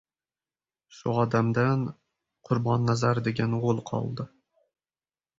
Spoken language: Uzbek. Shu odamdan Qurbonnazar degan o‘g‘il qoldi.